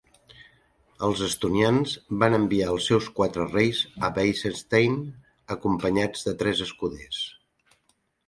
Els estonians van enviar els seus quatre reis a Weissenstein, acompanyats de tres escuders.